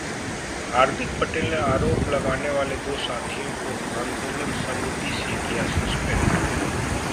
हार्दिक पटेल ने आरोप लगाने वाले दो साथियों को आंदोलन समिति से किया सस्पेंड